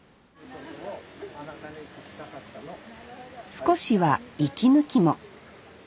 少しは息抜きも。